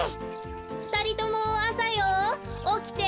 ふたりともあさよおきて。